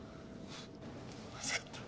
まずかった？